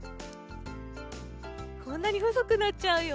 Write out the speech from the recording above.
こんなにほそくなっちゃうよ。